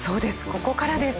ここからです。